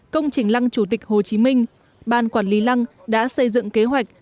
công trình lăng chủ tịch hồ chí minh ban quản lý lăng đã xây dựng kế hoạch